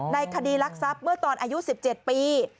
ในคดีรักทรัพย์เมื่อตอนอายุ๑๗ปี